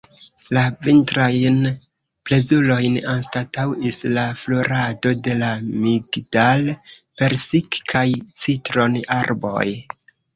La vintrajn plezurojn anstataŭis la florado de la migdal-, persik- kaj citron-arboj.